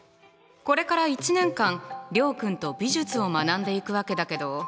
これから１年間諒君と美術を学んでいくわけだけど。